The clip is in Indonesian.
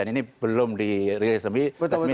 ini belum dirilis resmi